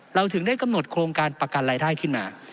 เราถึงได้กำหนดโครงการประกันรายได้ขึ้นมา